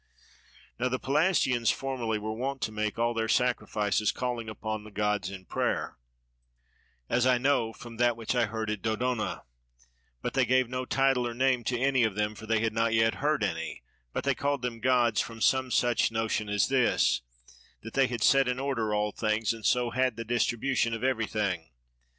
Now the Pelasgians formerly were wont to make all their sacrifices calling upon the gods in prayer, as I know from that which I heard at Dodona, but they gave no title or name to any of them, for they had not yet heard any, but they called them gods from some such notion as this, that they had set in order all things and so had the distribution of everything.